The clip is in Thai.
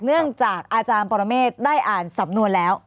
เนื่องจากอาจารย์ปรเมฆได้อ่านสำนวนแล้ว